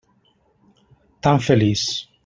Tan feliç.